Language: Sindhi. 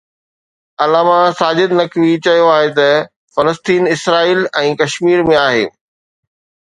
علامه ساجد نقوي چيو آهي ته فلسطين اسرائيل ۽ ڪشمير ۾ آهي